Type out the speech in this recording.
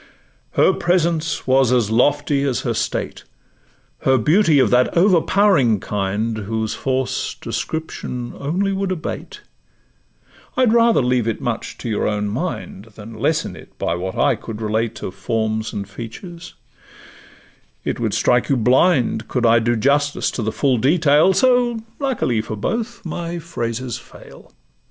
Her presence was as lofty as her state; Her beauty of that overpowering kind, Whose force description only would abate: I'd rather leave it much to your own mind, Than lessen it by what I could relate Of forms and features; it would strike you blind Could I do justice to the full detail; So, luckily for both, my phrases fail.